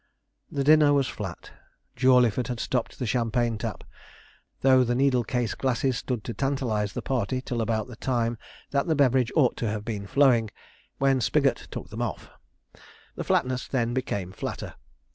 The dinner was flat. Jawleyford had stopped the champagne tap, though the needle case glasses stood to tantalize the party till about the time that the beverage ought to have been flowing, when Spigot took them off. The flatness then became flatter.